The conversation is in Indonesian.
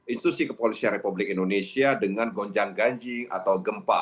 institusi kepolisian republik indonesia dengan gonjang ganji atau gempa